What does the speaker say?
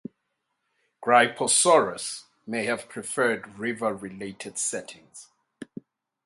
"Gryposaurus" may have preferred river-related settings.